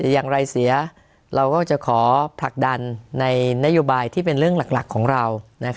อย่างไรเสียเราก็จะขอผลักดันในนโยบายที่เป็นเรื่องหลักของเรา